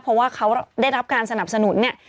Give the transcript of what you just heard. เพราะว่าเขาได้รับการสนับสนุนเนี่ย